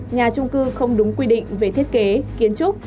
nhà trung cư không đúng quy định về thiết kế kiến trúc